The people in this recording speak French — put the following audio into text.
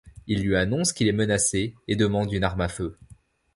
Il lui annonce qu'il est menacé et demande une arme à feu.